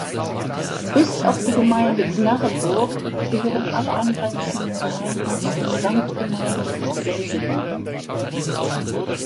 Bis auf die Gemeinde Gnarrenburg gehören alle angrenzenden Gemeinden zur Samtgemeinde Selsingen.